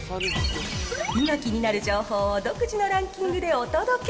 今気になる情報を独自のランキングでお届け。